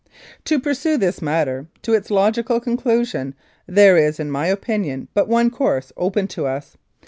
"To pursue this matter to its logical conclusion, there is, in my opinion, but one course open to us.